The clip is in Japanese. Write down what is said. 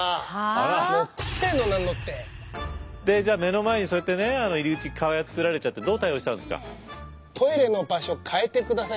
あら。じゃあ目の前にそうやってね厠作られちゃってどう対応したんですか？